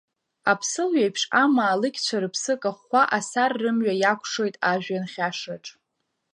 Аԥсылҩеиԥш амаалықьцәа рыԥсы кахәхәа, Асар рымҩа иакәшоит ажәҩан хьашраҿ.